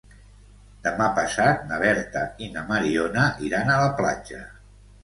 Demà passat na Berta i na Mariona iran a la platja.